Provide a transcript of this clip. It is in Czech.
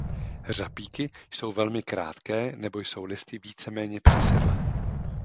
Řapíky jsou velmi krátké nebo jsou listy víceméně přisedlé.